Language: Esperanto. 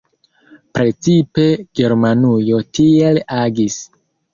Precipe Germanujo tiel agis.